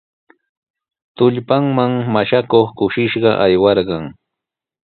Tullpanman mashakuq kushishqa aywarqan.